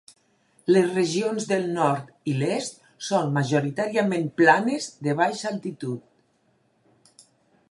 Les regions del nord i l'est són majoritàriament planes de baixa altitud.